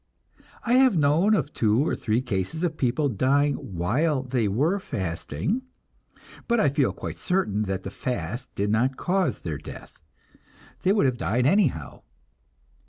I have known of two or three cases of people dying while they were fasting, but I feel quite certain that the fast did not cause their death; they would have died anyhow.